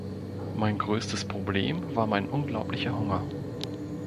Mein größtes Problem war mein unglaublicher Hunger.